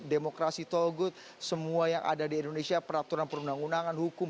demokrasi togut semua yang ada di indonesia peraturan perundang undangan hukum